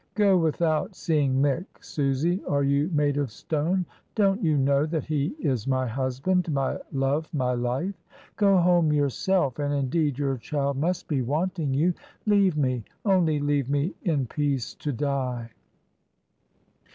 "Go without seeing Mick, Susy, are you made of stone? Don't you know that he is my husband, my love, my life? Go home yourself, — and indeed your child must be wanting you, — leave me, only leave me, in peace to die.